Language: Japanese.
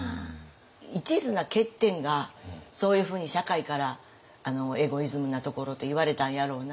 いちずな欠点がそういうふうに社会からエゴイズムなところといわれたんやろうな。